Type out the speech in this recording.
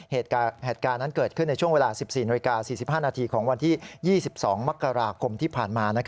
เหตุการณ์นั้นเกิดขึ้นในช่วงเวลา๑๔นาฬิกา๔๕นาทีของวันที่๒๒มกราคมที่ผ่านมา